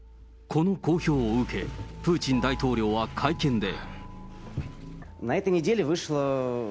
この公表を受け、プーチン大統領は会見で。